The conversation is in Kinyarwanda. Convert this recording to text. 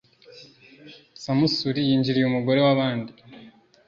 Samusuri yinjiriye umugore wabandi